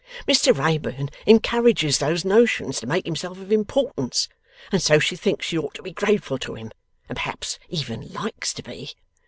Mr Wrayburn encourages those notions to make himself of importance, and so she thinks she ought to be grateful to him, and perhaps even likes to be.